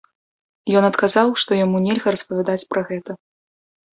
Ён адказаў што яму нельга распавядаць пра гэта.